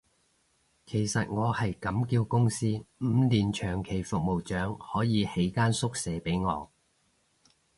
其實我係咁叫公司，五年長期服務獎可以起間宿舍畀我